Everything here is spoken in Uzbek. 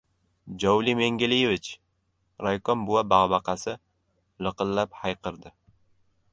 — Jovli Mengliyevich! — raykom buva bag‘baqasi liqillab hayqirdi.